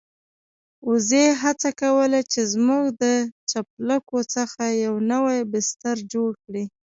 وزې هڅه کوله چې زموږ د چپلکو څخه يو نوی بستر جوړ کړي.